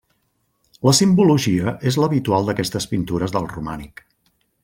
La simbologia és l'habitual d'aquestes pintures del romànic.